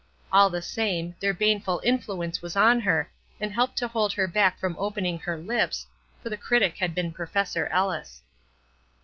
All the same, their baneful influence was on her, and helped to hold her back from opening her lips, for the critic had been Professor Ellis.